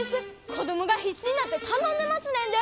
子供が必死になって頼んでますねんで！